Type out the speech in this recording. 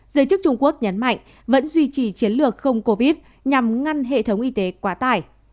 giới chức trung quốc nhấn mạnh vẫn duy trì chiến lược không covid nhằm ngăn hệ thống y tế quá tải